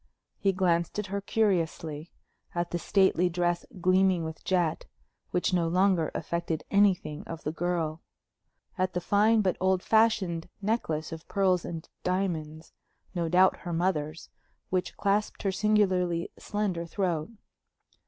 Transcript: He glanced at her curiously; at the stately dress gleaming with jet, which no longer affected anything of the girl; at the fine but old fashioned necklace of pearls and diamonds no doubt her mother's which clasped her singularly slender throat.